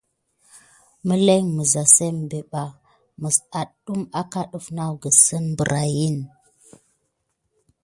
Məlin misza simɓe ɓa pay mis adume aka def nakine si darkiyu.